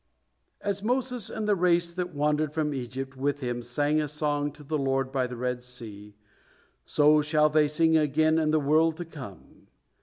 As Moses and the race that wandered from Egypt with him sang a song to the Lord by the Red Sea, so shall they sing again in the world to come.